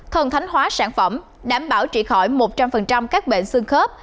thần thánh hóa sản phẩm đảm bảo trị khỏi một trăm linh các bệnh xương khớp